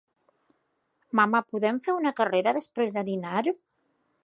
Mamà, podem fer una carrera després de dinar?